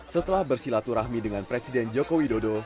setelah bersilaturahmi dengan presiden jokowi dodo